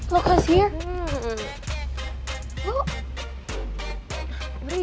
lihat siapa disini